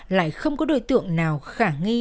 lại không có đối tượng nào khả nghi